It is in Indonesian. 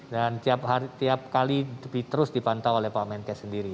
dan tiap kali terus dipantau oleh pak menkes sendiri